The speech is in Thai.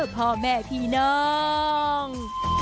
พ่อแม่พี่น้อง